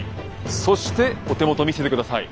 そしてお手元見せてください。